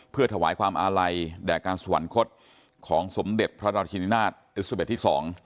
เพื่อถวายความอาลัยแด่การสวรรคตของสมเด็จพระราชินินาศเอซาเบสที่๒